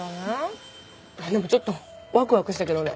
でもちょっとワクワクしたけどね。